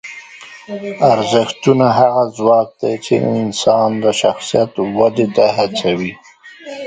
ارزښتونه هغه ځواک دی چې انسان د شخصیت ودې ته هڅوي.